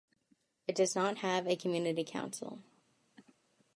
It does not have a Community Council.